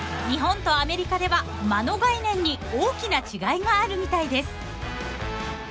［日本とアメリカでは間の概念に大きな違いがあるみたいです］